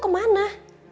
aku mau kemana